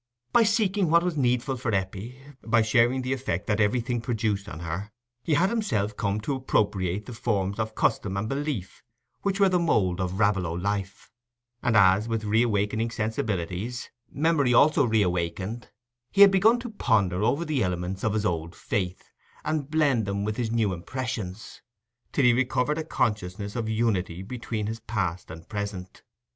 By seeking what was needful for Eppie, by sharing the effect that everything produced on her, he had himself come to appropriate the forms of custom and belief which were the mould of Raveloe life; and as, with reawakening sensibilities, memory also reawakened, he had begun to ponder over the elements of his old faith, and blend them with his new impressions, till he recovered a consciousness of unity between his past and present.